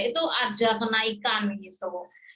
itu ada kenaikan gitu